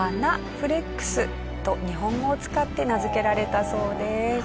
フレックスと日本語を使って名付けられたそうです。